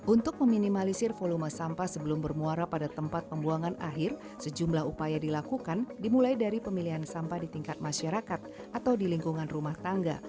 untuk meminimalisir volume sampah sebelum bermuara pada tempat pembuangan akhir sejumlah upaya dilakukan dimulai dari pemilihan sampah di tingkat masyarakat atau di lingkungan rumah tangga